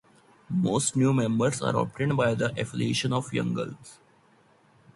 Most new members are obtained by the affiliation of young girls.